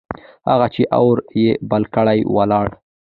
هغه چې اور يې بل کړ، ولاړ.